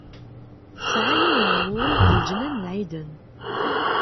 Tesɛa yiwen n wul d leǧnan n ɛiden.